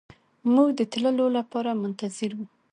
موږ د تللو لپاره منتظر وو.